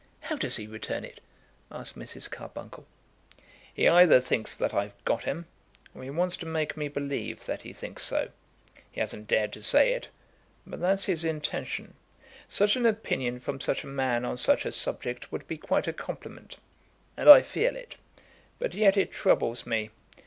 "How does he return it?" asked Mrs. Carbuncle. "He either thinks that I've got 'em, or he wants to make me believe that he thinks so. He hasn't dared to say it; but that's his intention. Such an opinion from such a man on such a subject would be quite a compliment. And I feel it. But yet it troubles me.